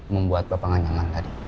membuat bapak nggak nyaman tadi